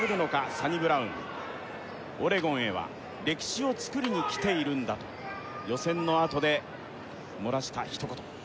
サニブラウンオレゴンへは歴史をつくりに来ているんだと予選の後で漏らした一言